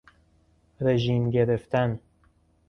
رژیم گرفتن